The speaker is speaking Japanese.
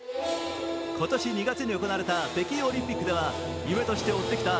今年２月に行われた北京オリンピックでは夢として追ってきた